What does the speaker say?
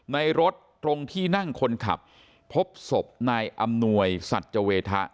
ในรถตรงที่นั่งคนขับพบศพนายอำนวยสัจเวทะ